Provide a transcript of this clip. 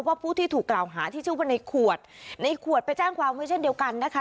ผู้ที่ถูกกล่าวหาที่ชื่อว่าในขวดในขวดไปแจ้งความไว้เช่นเดียวกันนะคะ